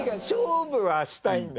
勝負はしたい。